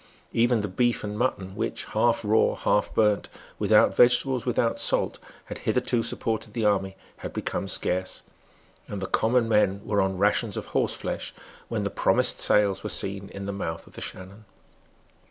Even the beef and mutton, which, half raw, half burned, without vegetables, without salt, had hitherto supported the army, had become scarce; and the common men were on rations of horseflesh when the promised sails were seen in the mouth of the Shannon.